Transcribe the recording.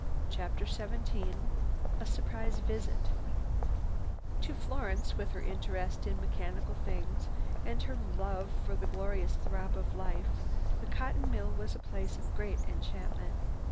CHAPTER XVII A SURPRISE VISIT To Florence with her interest in mechanical things and her love for the glorious throb of life, the cotton mill was a place of great enchantment.